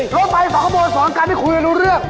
รถไพ่๒กระบวน๒การไปคุยแล้วรู้เรื่อง